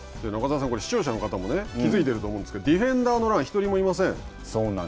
視聴者の方も気付いていると思うんですけれども、ディフェンダーの欄１人もいません。